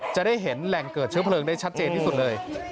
จะได้เห็นแหล่งเกิดเชื้อเพลิงได้ชัดเจนที่สุดเลย